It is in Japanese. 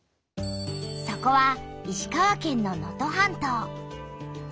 そこは石川県の能登半島。